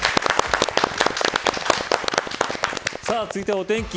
続いてお天気